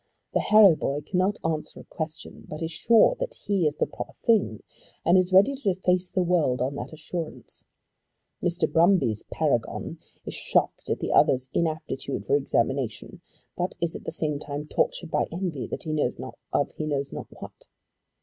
The Harrow boy cannot answer a question, but is sure that he is the proper thing, and is ready to face the world on that assurance. Mr. Brumby's paragon is shocked at the other's inaptitude for examination, but is at the same time tortured by envy of he knows not what.